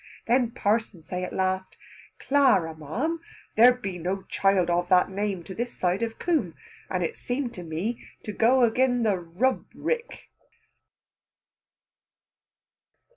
Then parson say at last, "Clara maam! There be no child of that name to this side of Coom, and it seem to me to go again the rub rick."